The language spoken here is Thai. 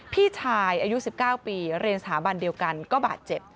พี่ชายอายุ๑๙ปีเรียนสถาบันเดียวกันก็บาดเจ็บ